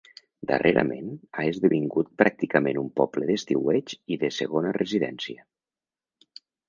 Darrerament ha esdevingut pràcticament un poble d'estiueig i de segona residència.